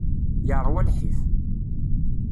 Yeṛwa lḥif.